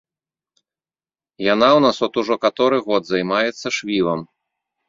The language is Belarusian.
Яна ў нас от ужо каторы год займаецца швівам.